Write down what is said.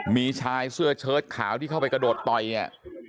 มีชายเสื้อเชิดขาวที่เข้าไปกระโดดต่อยเนี่ย